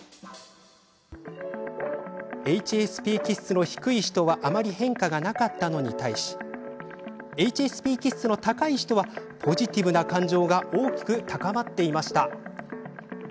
ＨＳＰ気質の低い人はあまり変化がなかったのに対しＨＳＰ気質の高い人はポジティブな感情が大きく高まっていました。